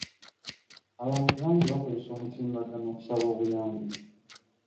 Abantu bangi bakozesa omutimbagano okusaba obuyambi.